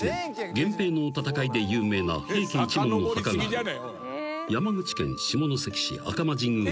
［源平の戦いで有名な平家一門の墓がある山口県下関市赤間神宮の］